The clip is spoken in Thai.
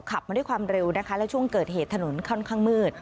ขับมาด้วยความเร็วนะคะแล้วช่วงเกิดเหตุถนนค่อนข้างมืด